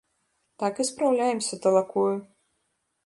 Так і спраўляемся талакою.